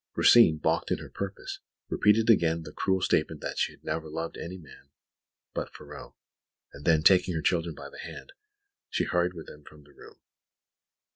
Rosine, baulked in her purpose, repeated again the cruel statement that she had never loved any man but Ferraud; and then taking her children by the hand, she hurried with them from the room.